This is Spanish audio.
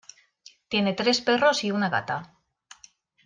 Tiene tres perros y una gata.